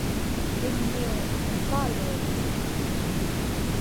kiññiuŋ nukaaluiñ